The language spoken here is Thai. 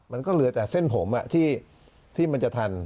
มันก็เหลือแต่เส้นผมที่มันจะทัน